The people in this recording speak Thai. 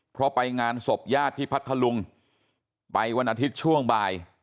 เพราะไปงานศพญาติที่พัทธลุงไปวันอาทิตย์ช่วงบ่าย